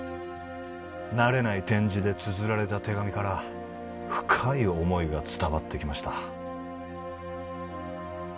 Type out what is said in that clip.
慣れない点字でつづられた手紙から深い思いが伝わってきました